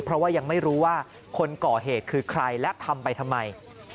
เพราะว่ายังไม่รู้ว่าคนก่อเหตุคือใครและทำไปทำไม